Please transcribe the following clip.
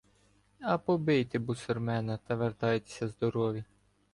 — А побийте бусурмена та вертайтеся здорові!